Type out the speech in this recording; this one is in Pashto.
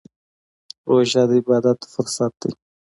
روژه د عبادت فرصت دی.